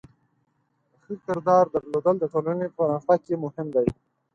د ښه کردار درلودل د ټولنې په پرمختګ کې مهم دی.